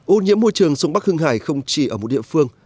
ôn diễm môi trường sông bắc hưng hải không chỉ ở một địa phương